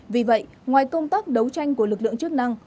vì vậy ngoài công tác đấu tranh của lực lượng chức năng